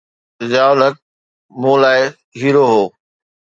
ضياءُ الحق مون لاءِ هيرو هو.